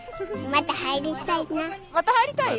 また入りたい？